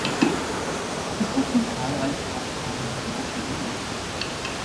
Es folgten zahlreiche Aufnahmen für verschiedene Label.